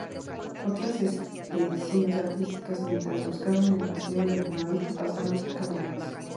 Otras expediciones árticas, mientras buscaban el Paso del Noroeste, pasaron cerca de la isla.